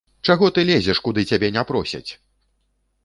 Чаго ты лезеш, куды цябе не просяць!